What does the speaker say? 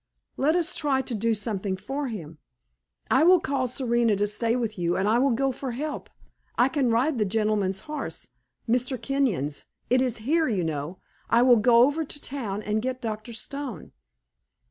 Let us try to do something for him. I will call Serena to stay with you, and I will go for help. I can ride the gentleman's horse Mr. Kenyon's it is here, you know. I will go over to town and get Doctor Stone."